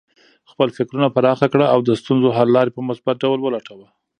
خپل فکرونه پراخه کړه او د ستونزو حل لارې په مثبت ډول ولټوه.